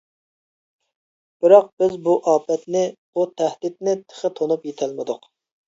بىراق بىز بۇ ئاپەتنى بۇ تەھدىتنى تېخى تونۇپ يېتەلمىدۇق.